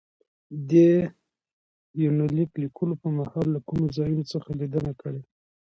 دې يونليک ليکلو په مهال له کومو ځايونو څخه ليدنه کړې